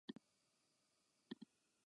Tepelný odpor.